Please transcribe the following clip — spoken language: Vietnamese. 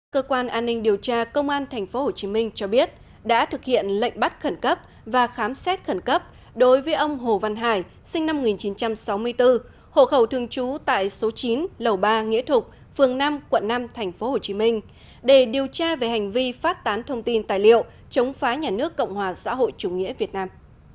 cơ quan an ninh điều tra công an tp hcm cho biết đã thực hiện lệnh bắt khẩn cấp và khám xét khẩn cấp đối với ông hồ văn hải sinh năm một nghìn chín trăm sáu mươi bốn hộ khẩu thường trú tại số chín lầu ba nghĩa thục phường năm quận năm tp hcm để điều tra về hành vi phát tán thông tin tài liệu chống phá nhà nước cộng hòa xã hội chủ nghĩa việt nam